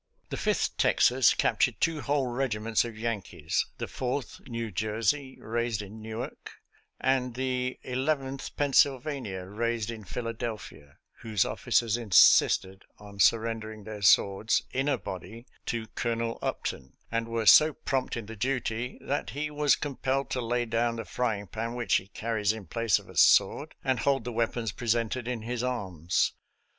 The Fifth Texas captured two whole regiments of Yankees — the Fourth New Jersey, raised in 58 SOLDIER'S LETTERS TO CHARMING NELLIE Newark, and the Eleventh Pennsylvania, raised in Philadelphia — ^whose officers insisted on sur rendering their swords, in a body, to Colonel Up ton, and were so prompt in the duty that he was compelled to lay down the frying pan which he carries in place of a sword and hold the weapons presented in his arms.